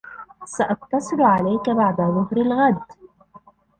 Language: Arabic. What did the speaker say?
سأتصل عليك بعد ظهر الغد.